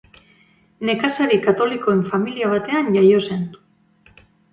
Nekazari katolikoen familia batean jaio zen.